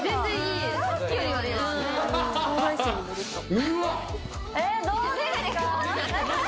うわ。